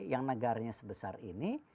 yang negaranya sebesar ini